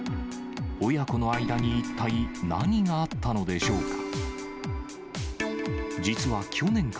親子の間に一体何があったのでしょうか。